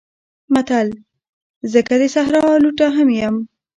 متل: زه که د صحرا لوټه هم یم